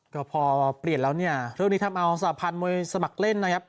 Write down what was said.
ก็พอเปลี่ยนแล้วเนี่ยเรื่องนี้ทำเอาสาพันธ์มวยสมัครเล่นนะครับ